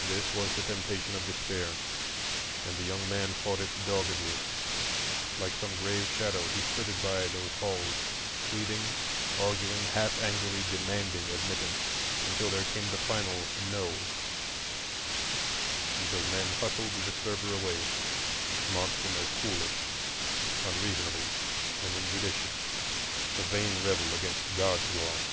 This was the temptation of Despair; and the young man fought it doggedly. Like some grave shadow he flitted by those halls, pleading, arguing, half angrily demanding admittance, until there came the final No; until men hustled the disturber away, marked him as foolish, unreasonable, and injudicious, a vain rebel against God's law.